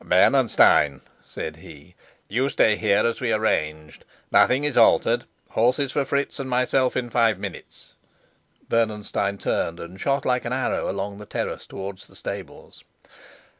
"Bernenstein," said he, "you stay here as we arranged. Nothing is altered. Horses for Fritz and myself in five minutes." Bernenstein turned and shot like an arrow along the terrace towards the stables.